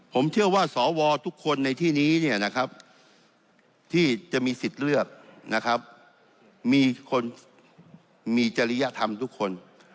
ผมเชื่อว่าสวทุกคนในที่นี้เนี่ยนะครับที่จะมีสิทธิ์เลือกนะครับมีคนมีจริยธรรมทุกคน